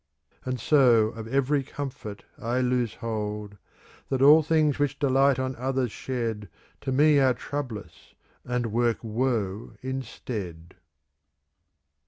And so of every comfort I lose hold. That all things which delight on others shed To me are troublous, and work woe instead.